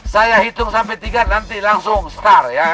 saya hitung sampai tiga nanti langsung star ya